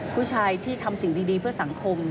ผู้ชายที่ทำสิ่งดีเพื่อสังคม